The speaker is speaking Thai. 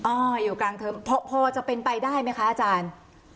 อยู่กลางเทอมพอจะเป็นไปได้ไหมคะอาจารย์